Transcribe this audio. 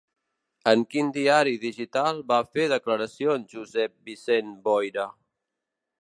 En quin diari digital va fer declaracions Josep Vicent Boira?